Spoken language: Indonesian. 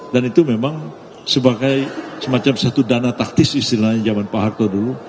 dan itu memang sebagai semacam satu dana taktis istilahnya zaman pak harto dulu